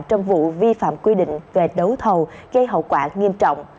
trong vụ vi phạm quy định về đấu thầu gây hậu quả nghiêm trọng